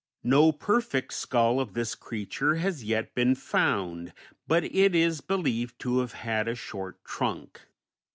No perfect skull of this creature has yet been found, but it is believed to have had a short trunk.